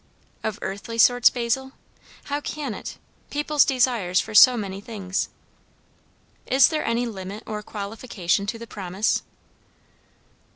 "Of earthly sorts, Basil? how can it? people's desires for so many things?" "Is there any limit or qualification to the promise?"